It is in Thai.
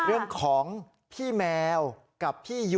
เรื่องของพี่แมวกับพี่ยุ